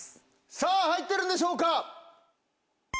さぁ入ってるんでしょうか？